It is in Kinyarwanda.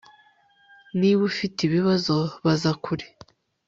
Niba ufite ibibazo baza kure